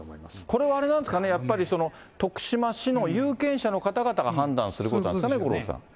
これはあれなんですかね、やっぱり徳島市の有権者の方々が判断することなんですかね、五郎さん。